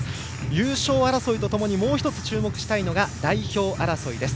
優勝争いとともにもう１つ、注目したいのが代表争いです。